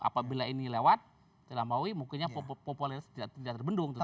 apabila ini lewat dilambaui mungkin populer tidak terbendung tetapi